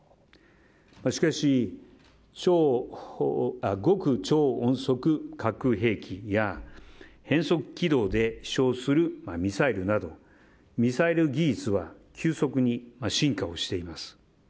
しかし、極超音速核兵器や変速軌道で飛翔するミサイルなどミサイル技術は急速に進化しています。